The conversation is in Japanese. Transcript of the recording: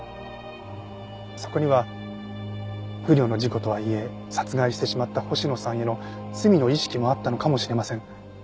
そこには不慮の事故とはいえ殺害してしまった星野さんへの罪の意識もあったのかもしれません。